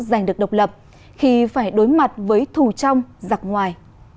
giành được độc lập khi phải đối mặt với thù trong giặc ngoài